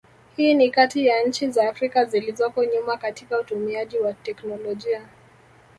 Hii ni kati ya nchi za Afrika zilizoko nyuma katika utumiaji wa teknolojia